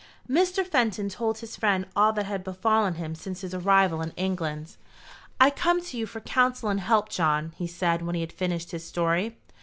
Mr. Fenton told his friend all that had befallen him since his arrival in England. "I come to you for counsel and help, John," he said, when he had finished his story.